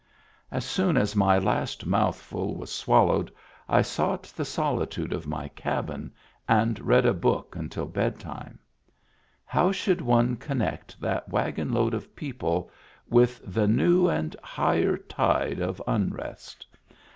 As soon as my last mouthful was swallowed I sought the solitude of my cabin and read a book until bed time. How should one connect that wagonload of people with the new and higher tide of unrest